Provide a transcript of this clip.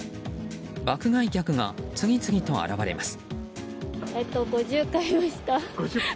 爆買い客が次々と現れます。